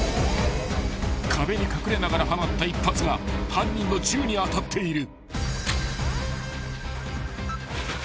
［壁に隠れながら放った一発が犯人の銃に当たっている］